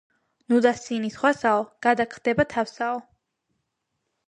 ნუ დასცინი სხვასაო გადახტება სხვასაო